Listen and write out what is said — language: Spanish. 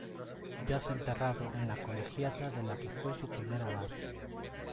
Yace enterrado en la Colegiata de la que fue su primer abad.